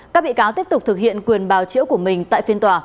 các bị cáo tiếp tục thực hiện quyền bào chữa của mình tại phiên tòa